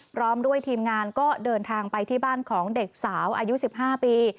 พร้อมด้วยทีมงานก็เดินทางไปที่บ้านของเด็กสาวอายุ๑๕ปี